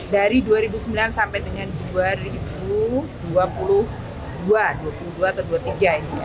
dari dua ribu sembilan sampai dengan dua ribu dua puluh dua atau dua ribu dua puluh tiga ini ya